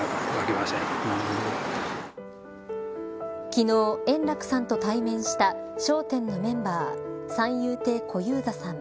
昨日、円楽さんと対面した笑点のメンバー三遊亭小遊三さん。